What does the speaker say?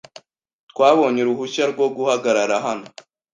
Twabonye uruhushya rwo guhagarara hano .